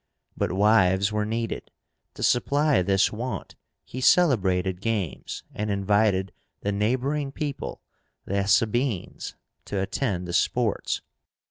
But wives were needed. To supply this want, he celebrated games, and invited the neighboring people, the SABINES, to attend the sports.